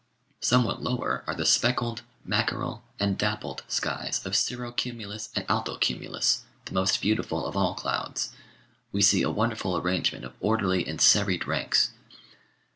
Somewhat lower are the "speckled," "mackerel," arid "dappled" skies of cirro cumulus and alto cumulus, the most beautiful of all clouds; we see a wonderful arrangement of orderly and serried ranks.